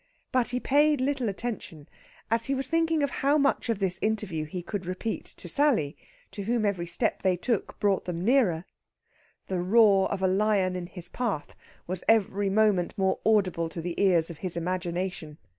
But he paid little attention, as he was thinking of how much of this interview he could repeat to Sally, to whom every step they took brought him nearer. The roar of a lion in his path was every moment more audible to the ears of his imagination.